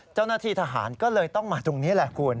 เจ้าหน้าที่ทหารก็เลยต้องมาตรงนี้แหละคุณ